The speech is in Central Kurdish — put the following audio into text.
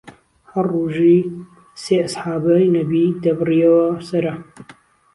هەر ڕوژەی سێ ئەسحابەی نەبی دەبڕیەوە سەرە